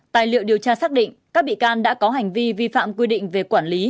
tài liệu điều tra xác định các bị can đã có hành vi vi phạm quy định về quản lý